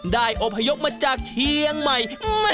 อพยพมาจากเชียงใหม่